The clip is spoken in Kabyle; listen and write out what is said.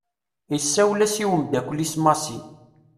Isawel-as i umddakel-is Massi.